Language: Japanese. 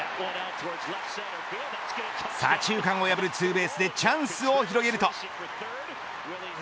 左中間を破るツーベースでチャンスを広げると。